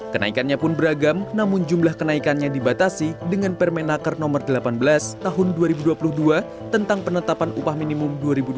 kenaikannya pun beragam namun jumlah kenaikannya dibatasi dengan permenaker no delapan belas tahun dua ribu dua puluh dua tentang penetapan upah minimum dua ribu dua puluh